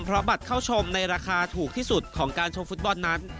เพราะบัตรเข้าชมในราคาถูกที่สุดของการชมฟุตบอลนั้น